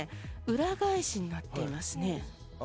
裏返しになってますね。